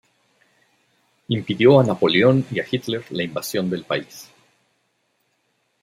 Impidió a Napoleón y a Hitler la invasión del país.